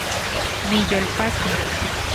Niyolpaki